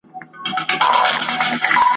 چي تر بیرغ لاندي یې ټول `